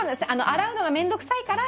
洗うのが面倒くさいから。